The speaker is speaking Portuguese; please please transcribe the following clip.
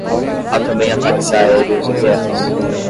Há também ataques aéreos e guerras